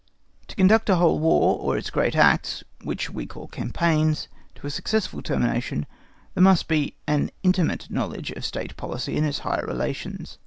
To conduct a whole War, or its great acts, which we call campaigns, to a successful termination, there must be an intimate knowledge of State policy in its higher relations.